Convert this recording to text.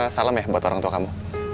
salam ya buat orang tua kamu